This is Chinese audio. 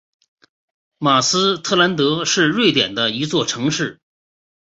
马斯特兰德是瑞典的一座城市。